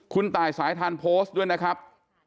คุณตายสายทานโพสต์ด้วยนะครับ